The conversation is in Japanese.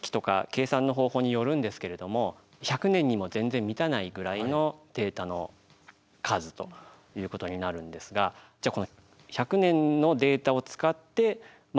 計算の方法によるんですけれども１００年にも全然満たないぐらいのデータの数ということになるんですがじゃあ